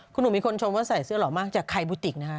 คุณหนุ่มมีคนชมว่าใส่เสื้อหล่อมากจากไข่บุติกนะฮะ